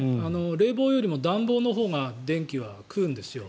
冷房よりも暖房のほうが電気は食うんですよ。